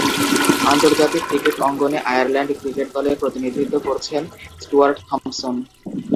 আন্তর্জাতিক ক্রিকেট অঙ্গনে Ireland cricket দলের প্রতিনিধিত্ব করছেন স্টুয়ার্ট থম্পসন।